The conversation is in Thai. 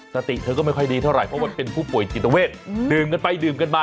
สติเธอก็ไม่ค่อยดีเท่าไหร่เพราะว่าเป็นผู้ป่วยจิตเวทดื่มกันไปดื่มกันมา